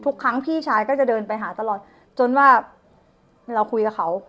ทุกครั้งพี่ชายก็จะเดินไปหาตลอดจนว่าเราคุยกับเขา